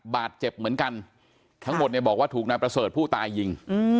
บาดเจ็บเหมือนกันทั้งหมดเนี่ยบอกว่าถูกนายประเสริฐผู้ตายยิง